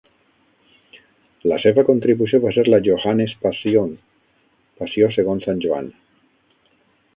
La seva contribució va ser la Johannes-Passion (Passió segons Sant Joan).